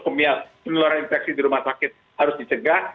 kemudian infeksi nosokumial penularan infeksi di rumah sakit harus dicegah